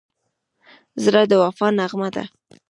زړه د وفا نغمه ده.